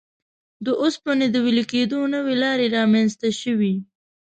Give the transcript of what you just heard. د اوسپنې د وېلې کېدو نوې لارې رامنځته شوې.